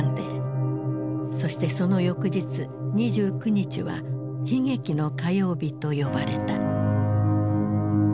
そしてその翌日２９日は悲劇の火曜日と呼ばれた。